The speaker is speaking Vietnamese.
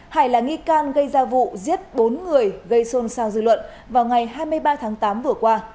hải là nghi can gây ra vụ giết bốn người gây xôn xao dư luận vào ngày hai mươi ba tháng tám vừa qua